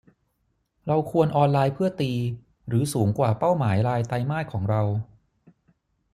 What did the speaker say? เราควรออนไลน์เพื่อตีหรือสูงกว่าเป้าหมายรายไตรมาสของเรา